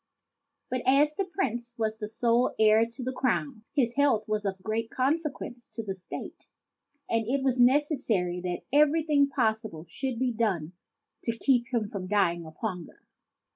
But, as the Prince was the sole heir to the crown, his health was of great consequence to the State ; and it was necessary that everything possible should be done to keep him from dying of hunger.